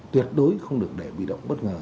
tuyệt đối không được để bị động bất ngờ